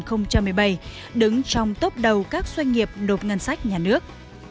trong năm hai nghìn một mươi bảy đứng trong tốc đầu các doanh nghiệp nộp ngân sách nhà nước